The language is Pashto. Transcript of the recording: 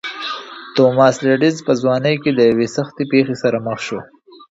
توماس لېډز په ځوانۍ کې له یوې سختې پېښې سره مخ شو.